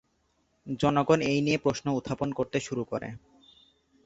জনগণ এই নিয়ে প্রশ্ন উত্থাপন করতে শুরু করে।